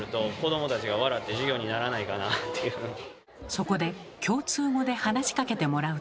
そこで共通語で話しかけてもらうと。